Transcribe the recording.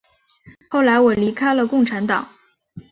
后来我离开了共产党。